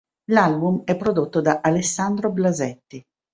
L'album è prodotto da Alessandro Blasetti.